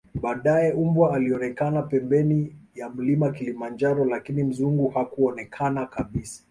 baadae mbwa alionekana pembeni ya mlima kilimanjaro lakini mzungu hakuonekana kabisa